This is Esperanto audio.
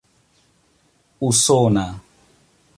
usona